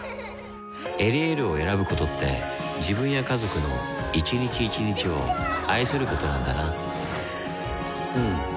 「エリエール」を選ぶことって自分や家族の一日一日を愛することなんだなうん。